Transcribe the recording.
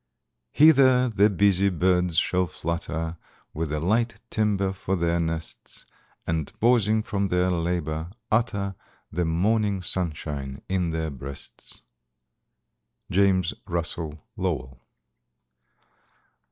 _) Hither the busy birds shall flutter, With the light timber for their nests, And, pausing from their labor, utter The morning sunshine in their breasts. —James Russell Lowell.